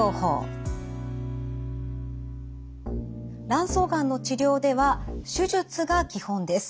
卵巣がんの治療では手術が基本です。